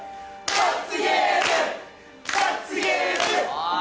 おい！